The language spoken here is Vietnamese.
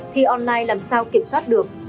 thi online làm sao kiểm soát được